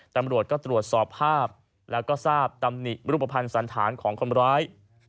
ตำรวจก็ตรวจสอบภาพแล้วก็ทราบตำหนิรูปภัณฑ์สันธารของคนร้าย